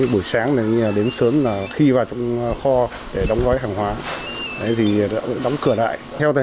buổi sáng đến sớm khi vào trong kho để đóng cửa sản xuất và bán hàng và bán hàng thì thuê một số nhân viên công nhân trong địa bàn khu dân cư